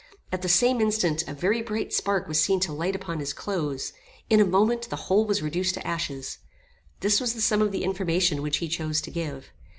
At the same instant, a very bright spark was seen to light upon his clothes. In a moment, the whole was reduced to ashes. This was the sum of the information which he chose to give.